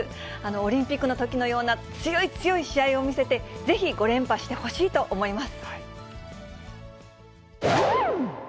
オリンピックのときのような強い強い試合を見せて、ぜひ、５連覇してほしいと思います。